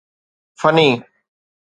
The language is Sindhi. فني